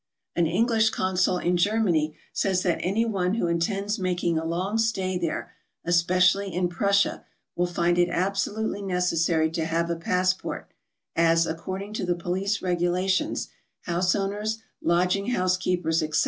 216 PERSONALITIES. 217 An English consul in Germany says that anyone who intends making a long stay there, especially in Prussia, will find it absolutely necessary to have a passport, as, according to the police regulations, house owners, lodging house keepers, etc.